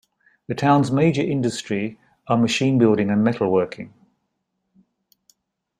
The town's major industry are machine building and metalworking.